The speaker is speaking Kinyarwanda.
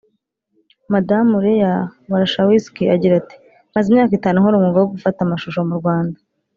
Madamu Leah Warshawski agira ati ”Maze imyaka itanu nkora umwuga wo gufata amashusho mu Rwanda